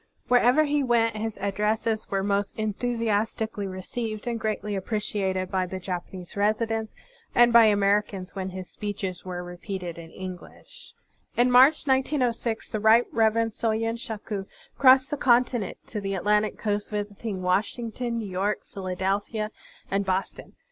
Wher ever he went, his addresses were most enthu siastically received and greatly appreciated by Digitized by Google "Sr iv translator's preface the Japanese residents, and by Americans when his speeches were repeated in English. In March, 1906, the Right Reverend Soyen Shaku crossed the continent to the Atlantic coast, visiting Washington, New York, Phila delphia, and Boston.